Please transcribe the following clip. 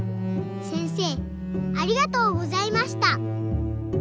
せんせいありがとうございました。